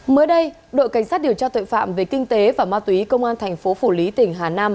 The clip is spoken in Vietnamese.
mới đây đội cảnh sát điều tra tội phạm về kinh tế và ma túy công an thành phố phủ lý tỉnh hà nam